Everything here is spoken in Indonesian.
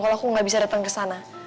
kalau aku gak bisa datang kesana